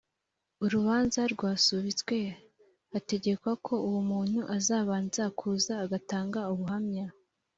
urubanza rwasubitswe hategekwa ko uwo muntu azabanza kuza agatanga ubuhanya